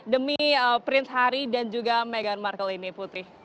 demi prince harry dan juga meghan markle ini putri